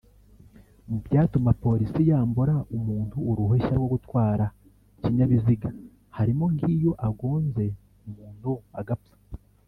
Mu byatuma polisi yambura umuntu uruhushya rwo gutwara ikinyabiziga harimo nk’iyo agonze umuntu agapfa